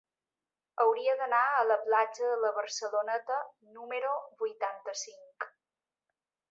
Hauria d'anar a la platja de la Barceloneta número vuitanta-cinc.